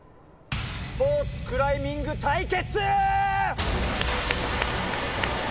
スポーツクライミング対決。